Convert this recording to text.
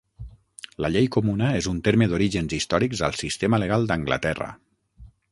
La llei comuna és un terme d'orígens històrics al sistema legal d'Anglaterra.